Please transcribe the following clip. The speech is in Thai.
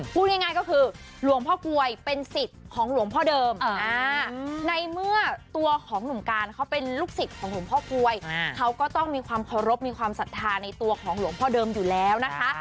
พูดง่ายก็คือหลวงพ่อกลวยเป็นสิทธิ์ของหลวงพ่อเดิมในเมื่อตัวของหนุ่มการเขาเป็นลูกศิษย์ของหลวงพ่อกลวยเขาก็ต้องมีความเคารพมีความศรัทธาในตัวของหลวงพ่อเดิมอยู่แล้วนะคะ